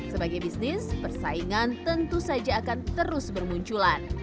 sebagai bisnis persaingan tentu saja akan terus bermunculan